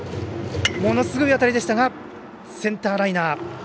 ものすごい当たりでしたがセンターライナー。